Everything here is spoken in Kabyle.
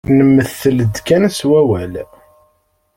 Nmettel-d kan s wawal.